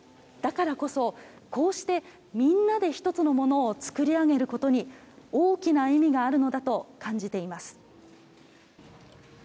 だからこそこうしてみんなで１つものを作り上げることに大きな意味があるのだと感じています。